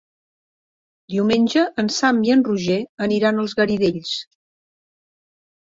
Diumenge en Sam i en Roger aniran als Garidells.